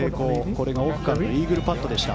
これが奥からのイーグルパットでした。